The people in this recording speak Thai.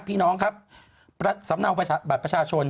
พี่น้องครับสำเนาบัตรประชาชน